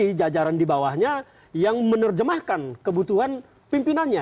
jadi jajaran di bawahnya yang menerjemahkan kebutuhan pimpinannya